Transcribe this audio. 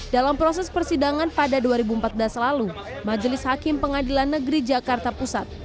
dalam proses persidangan pada dua ribu empat belas lalu majelis hakim pengadilan negeri jakarta pusat